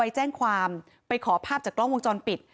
แจ้งความไปขอภาพจากกล้องวงจรปิด